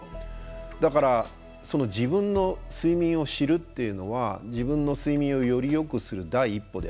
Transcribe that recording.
だから自分の睡眠を知るっていうのは自分の睡眠をよりよくする第一歩であるということです。